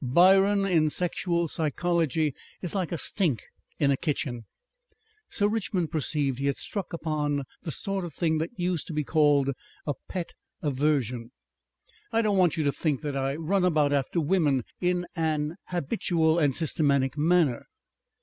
Byron in sexual psychology is like a stink in a kitchen." Sir Richmond perceived he had struck upon the sort of thing that used to be called a pet aversion. "I don't want you to think that I run about after women in an habitual and systematic manner.